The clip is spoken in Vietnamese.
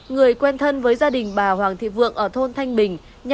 người quen thân với gia đình bà hoàng thị vượng ở thôn thanh bình